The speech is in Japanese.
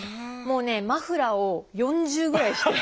もうねマフラーを４重ぐらいして。